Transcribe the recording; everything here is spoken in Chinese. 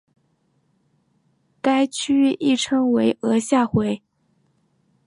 该区域亦称为额下回。